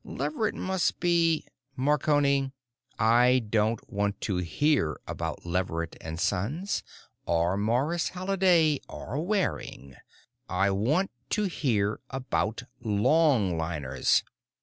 Leverett must be——" "Marconi. I don't want to hear about Leverett and Sons. Or Morris Halliday, or Waring. I want to hear about longliners."